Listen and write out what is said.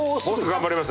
頑張ります。